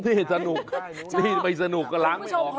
นี่สนุกนี่ไม่สนุกก็ล้างไม่ออก